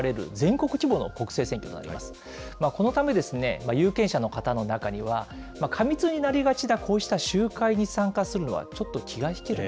このため、有権者の方の中には、過密になりがちなこうした集会に参加するのはちょっと気が引ける。